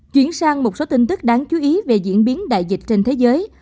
chuyển sang một số tin tức đáng chú ý về diễn biến đại dịch trên thế giới